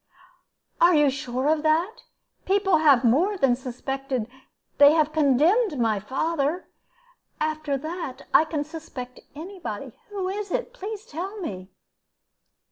"Are you sure of that? People have more than suspected they have condemned my father. After that, I can suspect any body. Who is it? Please to tell me."